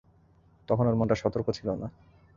তখন ওর মনটা সতর্ক ছিল না।